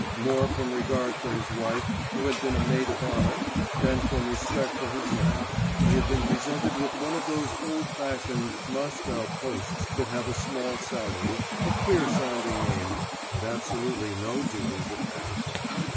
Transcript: More from regard for his wife, who had been a maid of honour, than from respect for his name, he had been presented with one of those old fashioned Moscow posts that have a small salary, a queer sounding name, and absolutely no duties attached.